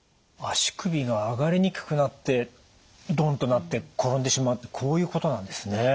足首が上がりにくくなってドンとなって転んでしまうってこういうことなんですね。